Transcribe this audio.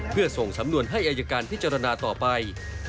เพื่อส่งสำนวนให้อายการพิจารณาต่อไป